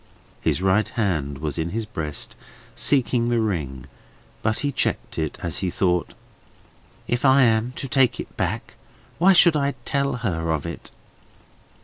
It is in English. His right hand was in his breast, seeking the ring; but he checked it, as he thought: "If I am to take it back, why should I tell her of it?"